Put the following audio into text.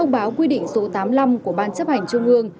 báo quy định số tám mươi năm của ban chấp hành trung ương